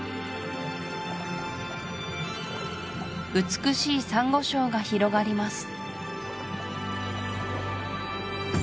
美しいサンゴ礁が広がります